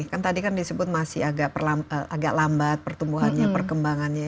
kan tadi kan disebut masih agak lambat pertumbuhannya perkembangannya